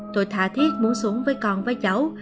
tôi thả thiết muốn xuống với con với cháu